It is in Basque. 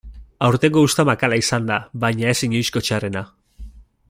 Aurtengo uzta makala izan da baina ez inoizko txarrena.